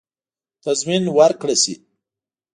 تضمین ورکړه شي.